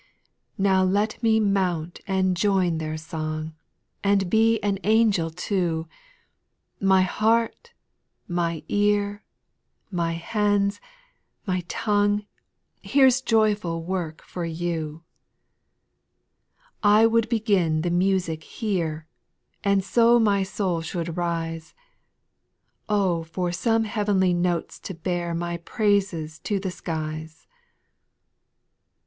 5. Now let me mount and join their song, And be an anojel too : My heart, my ear, my hand, my tongue, Here's joyful work for you. 6. I would begin the music here. And so my soul should rise : O for some.heav'nly notes to bear My praises to the skies 1 7.